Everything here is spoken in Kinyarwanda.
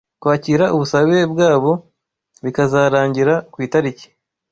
kwakira ubusabe bwabo bikazarangira ku itariki